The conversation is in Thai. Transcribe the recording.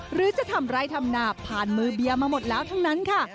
หรือจะทำไร้ทำนาผ่านมือเบียร์มาหมดแล้วทั้งนั้นค่ะ